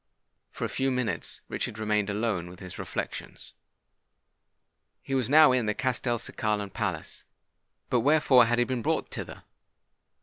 For a few minutes Richard remained alone with his reflections. He was now in the Castelcicalan palace. But wherefore had he been brought thither?